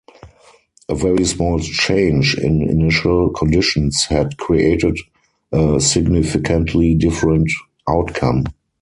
A very small change in initial conditions had created a significantly different outcome.